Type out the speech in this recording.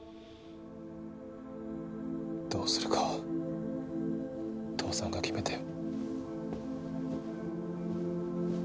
どうするかは父さんが決めてよ。